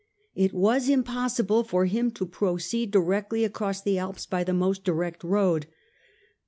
It was im possible for him to proceed directly across the Alps by the most direct road.